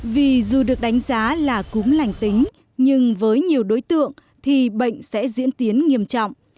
vì dù được đánh giá là cúm lành tính nhưng với nhiều đối tượng thì bệnh sẽ diễn tiến nghiêm trọng